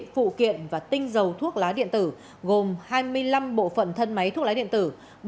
phụ kiện và tinh dầu thuốc lá điện tử gồm hai mươi năm bộ phận thân máy thuốc lá điện tử